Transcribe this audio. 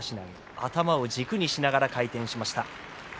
頭を軸にしながら回転しました。